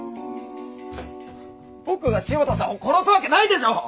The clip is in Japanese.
僕が汐田さんを殺すわけないでしょう！